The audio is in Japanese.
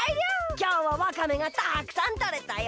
きょうはワカメがたくさんとれたよ。